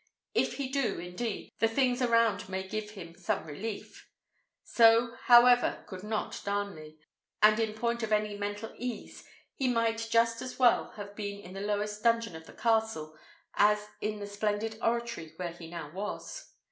If he do, indeed, the things around may give him some relief. So, however, could not Darnley; and in point of any mental ease, he might just as well have been in the lowest dungeon of the castle as in the splendid oratory where he now was.